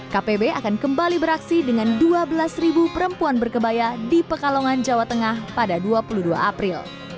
kpb akan kembali beraksi dengan dua belas perempuan berkebaya di pekalongan jawa tengah pada dua puluh dua april